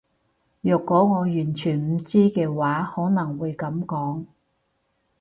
若果我完全唔知嘅話可能會噉講